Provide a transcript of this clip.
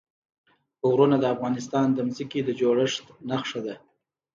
غرونه د افغانستان د ځمکې د جوړښت نښه ده.